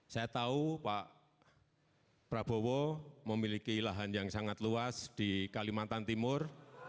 saya tahu pak prabowo memiliki lahan yang sangat luas di kalimantan timur